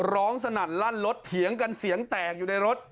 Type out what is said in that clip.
สนั่นลั่นรถเถียงกันเสียงแตกอยู่ในรถ